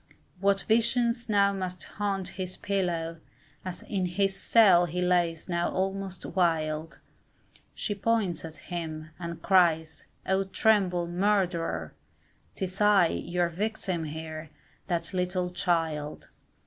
What visions now must haunt his pillow, As in his cell he lays now almost wild, She points at him, and cries, oh tremble, murderer! 'Tis I, your victim here that little child!